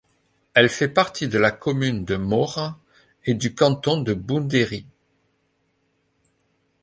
Elle fait partie de la commune de Mora et du canton de Boundéri.